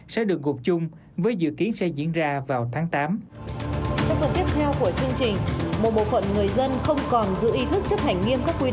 sẽ được gộp chung với dự kiến sẽ diễn ra vào tháng tám